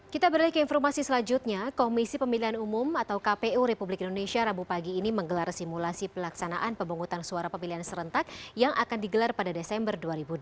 kita beralih ke informasi selanjutnya komisi pemilihan umum atau kpu republik indonesia rabu pagi ini menggelar simulasi pelaksanaan pemungutan suara pemilihan serentak yang akan digelar pada desember dua ribu delapan belas